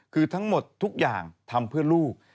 คือทั้งหมดทุกอย่างทำเพื่อลูก